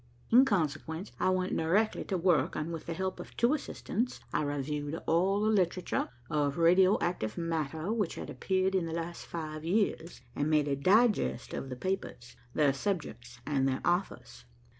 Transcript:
In consequence, I went directly to work, and with the help of two assistants, I reviewed all the literature of radio active matter which had appeared in the last five years, and made a digest of the papers, their subjects and their authors.